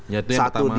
satu dia tadi